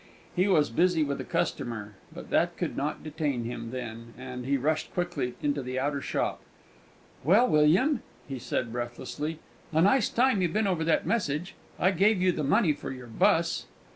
He was busy with a customer; but that could not detain him then, and he rushed quickly into the outer shop. "Well, William," he said, breathlessly, "a nice time you've been over that message! I gave you the money for your 'bus."